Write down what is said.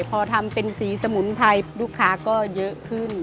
พอทำเป็นสีสมุนไพรลูกค้าก็เยอะขึ้น